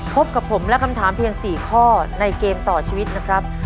พบกับผมและคำถามเพียง๔ข้อในเกมต่อชีวิตนะครับ